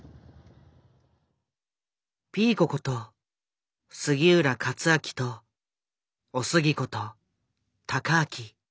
ピーコこと杉浦克昭とおすぎこと孝昭。